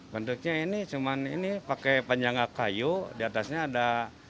bentuknya ini cuma ini pakai panjangak kayu diatasnya ada